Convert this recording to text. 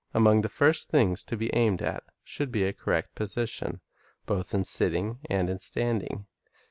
Among the first things to be aimed at should be a correct position, both in sitting and in standing.